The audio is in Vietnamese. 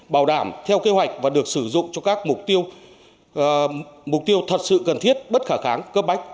bảo đảm theo kế hoạch và được sử dụng cho các mục tiêu thật sự cần thiết bất khả kháng cấp bách